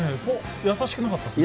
やさしくなかったですね。